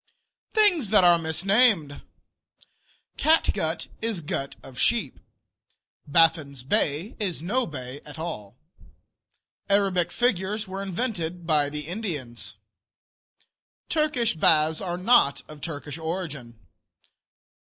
THINGS THAT ARE MISNAMED Catgut is gut of sheep. Baffin's Bay is no bay at all. Arabic figures were invented by the Indians. Turkish baths are not of Turkish origin.